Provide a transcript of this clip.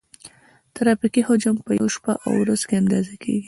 ترافیکي حجم په یوه شپه او ورځ کې اندازه کیږي